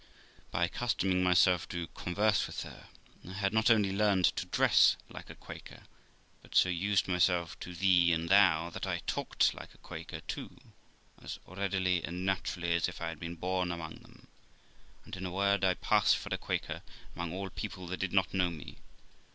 By accustoming myself to converse with her, I had not only learned to dress like a Quaker, but so used myself to ' thee ' and ' thou ', that I talked like a Quaker too, as readily and naturally as if I had been born among them; and, in a word, I passed for a Quaker among all people that did not know me.